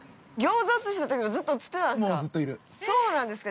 ◆そうなんですか。